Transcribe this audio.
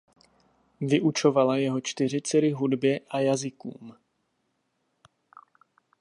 Vyučovala jeho čtyři dcery hudbě a jazykům.